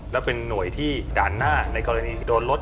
และเป็นหน่วยที่ด่านหน้าในกรณีโดนรถ